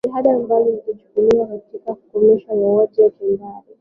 jitihada kubwa zilichukuliwa katika kukomesha mauaji ya kimbari